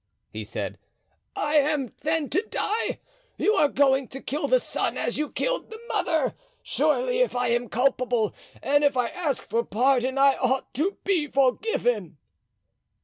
he said, "I am then to die? You are going to kill the son, as you killed the mother! Surely, if I am culpable and if I ask for pardon, I ought to be forgiven."